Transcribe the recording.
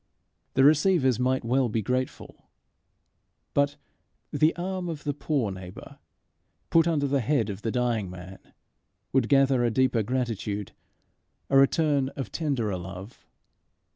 The receivers might well be grateful; but the arm of the poor neighbour put under the head of the dying man, would gather a deeper gratitude, a return of tenderer love.